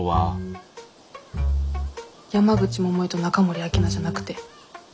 山口百恵と中森明菜じゃなくて？